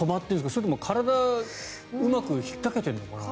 それとも体うまくひっかけてるのかな。